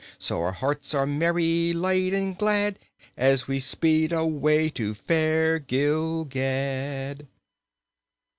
So our hearts are merry, light and glad As we speed away to fair Gilgad!"